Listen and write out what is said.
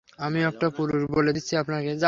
আমিও একটা পুরুষ, বলে দিচ্ছি আপনাকে।